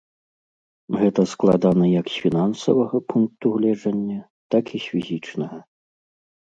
Гэта складана як з фінансавага пункту гледжання, так і з фізічнага.